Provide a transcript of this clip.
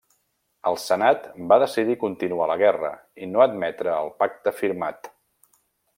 El Senat va decidir continuar la guerra i no admetre el pacte firmat.